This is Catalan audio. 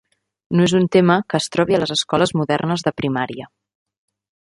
No és un tema que es trobi a les escoles modernes de primària.